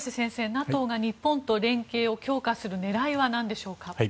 ＮＡＴＯが日本と連携を強化する狙いはなんでしょうか。